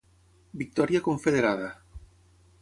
Victòria confederada.